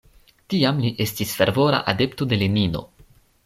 Tiam li estis fervora adepto de Lenino.